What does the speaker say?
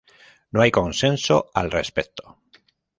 No hay consenso al respecto.